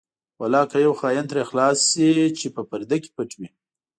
ولاکه یو خاین ترې خلاص شي په پرده کې پټ وي.